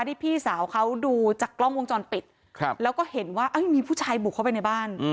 พี่สาวเขาดูจากกล้องวงจรปิดแล้วก็เห็นว่ามีผู้ชายบุกเข้าไปในบ้าน